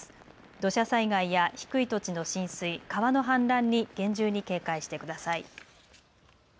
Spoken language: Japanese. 土砂災害や低い土地の浸水、川の氾濫に厳重に警戒してください。